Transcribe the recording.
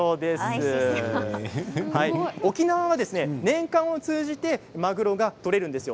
沖縄は年間を通じてマグロが取れるんですよ。